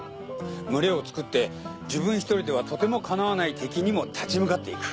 群れを作って自分一人ではとてもかなわない敵にも立ち向かっていく。